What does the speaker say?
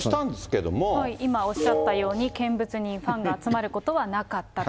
今、おっしゃったように、見物人、ファンが集まることはなかったと。